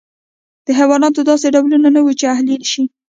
د حیواناتو داسې ډولونه نه وو چې اهلي شي.